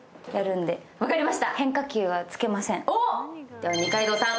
では二階堂さん